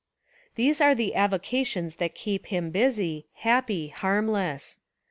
These are the avocations that keep him busy, happy, harmless.